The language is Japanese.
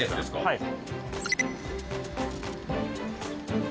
はい。